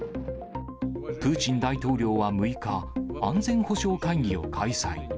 プーチン大統領は６日、安全保障会議を開催。